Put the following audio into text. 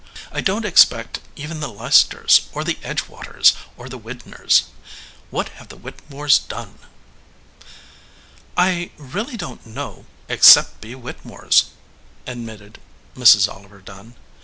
I don t except even the Leicesters, or the Edgewaters, or the Widners. What have the Whittemores done?" "I really don t know, except be Whittemores," admitted Mrs. Oliver Dunn.